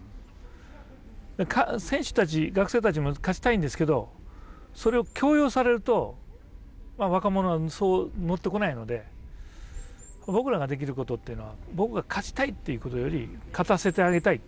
選手たち学生たちも勝ちたいんですけどそれを強要されると若者はそう乗ってこないので僕らができることっていうのは僕が勝ちたいっていうことより勝たせてあげたい。